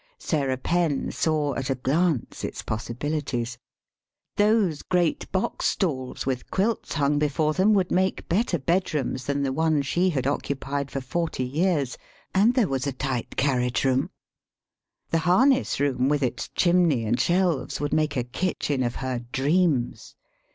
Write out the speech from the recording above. Sarah Penn saw at a glance its possibilities. Those great box stalls, with quilts hung before them, would make better bedrooms than the one she had occupied for forty years, and there was a tight carriage room. The harness room, with its chimney and shelves, would make a kitchen of her dreams.